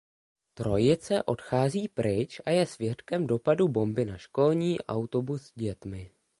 Trojice odchází pryč a je svědkem dopadu bomby na školní autobus s dětmi.